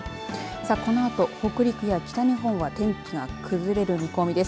このあと北陸や北日本は天気が崩れる見込みです。